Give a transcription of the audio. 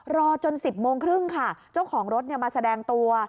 รอจน๑๐โมงครึ่งค่ะเจ้าของรถมาแสดงตัว